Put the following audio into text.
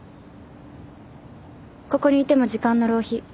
ここにいても時間の浪費。